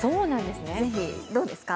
ぜひ、どうですか？